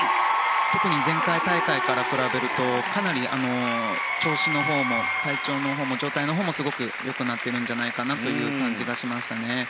特に前回大会から比べるとかなり調子のほうも体調のほうも、状態のほうもすごく良くなっているんじゃないかなという感じがしましたね。